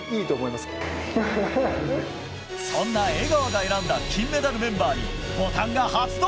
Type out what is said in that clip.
そんな江川が選んだ金メダルメンバーにボタンが発動！